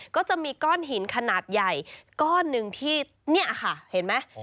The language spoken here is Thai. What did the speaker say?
ก็จะมีก้อนหินขนาดใหญ่ก้อนหนึ่งที่เนี่ยค่ะเห็นไหม